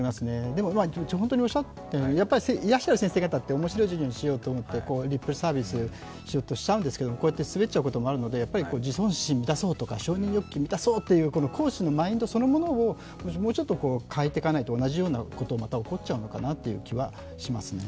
でも、本当におっしゃったように、いらっしゃる先生方って面白い授業にしようと思ってリップサービスしようとしちゃうんですけど、こうやってすべっちゃうこともあるので、自尊心を出そうとか承認欲求を満たそうという講師のマインドそのものをもうちょっと変えていかないと同じようなことがまた起こっちゃうのかなという気がしますね。